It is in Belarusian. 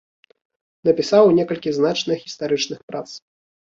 Напісаў некалькі значных гістарычных прац.